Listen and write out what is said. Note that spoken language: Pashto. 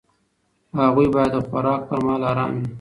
هغوی باید د خوراک پر مهال ارام وي.